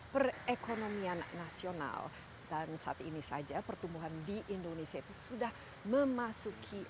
perekonomian nasional dan saat ini saja pertumbuhan di indonesia itu sudah memasuki